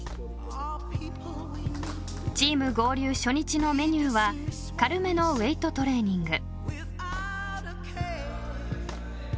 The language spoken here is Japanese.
［チーム合流初日のメニューは軽めのウエートトレーニング］